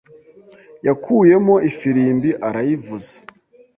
yakuyemo ifirimbi arayivuza.